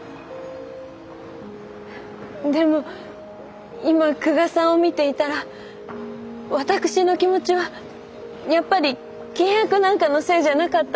でも今久我さんを見ていたら私の気持ちはやっぱり契約なんかのせいじゃなかったと。